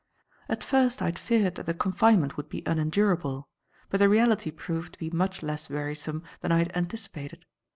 At first, I had feared that the confinement would be unendurable; but the reality proved to be much less wearisome than I had anticipated.